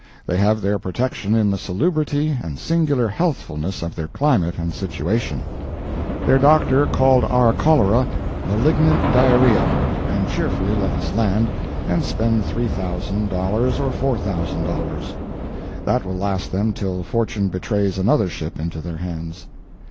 They have their protection in the salubrity and singular healthfulness of their climate and situation. Their Doctor called our cholera "malignant diarrhea," and cheerfully let us land and spend $3,000 or $4,000. That will last them till fortune betrays another ship into their hands.